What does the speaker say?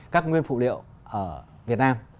các nguyên phụ liệu ở việt nam